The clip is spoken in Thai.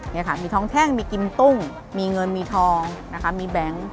นี่ค่ะมีท้องแท่งมีกิมตุ้งมีเงินมีทองนะคะมีแบงค์